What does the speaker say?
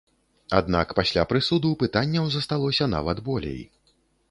Аднак пасля прысуду пытанняў засталося нават болей.